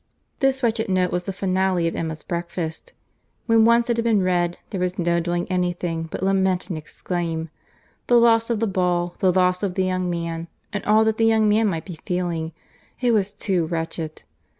This wretched note was the finale of Emma's breakfast. When once it had been read, there was no doing any thing, but lament and exclaim. The loss of the ball—the loss of the young man—and all that the young man might be feeling!—It was too wretched!